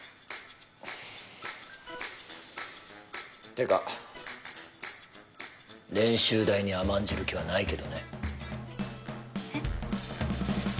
てか練習台に甘んじる気はないけどねえっ？